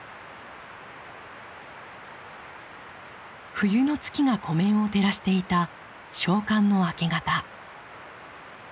冬の月が湖面を照らしていた小寒の明け方。